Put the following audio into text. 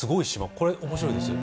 これ面白いですよ。